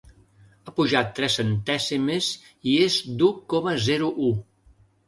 Ha pujat tres centèsimes i és d’u coma zero u.